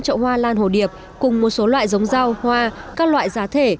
trậu hoa lan hồ điệp cùng một số loại giống rau hoa các loại giá thể